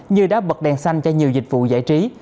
như đá bật đèn xanh cho nhiều dịch vụ giải trí